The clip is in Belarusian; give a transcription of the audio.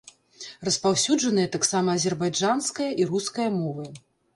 Распаўсюджаныя таксама азербайджанская і руская мовы.